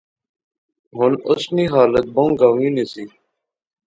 ہن اس نی حالت بہوں گنوی نی سی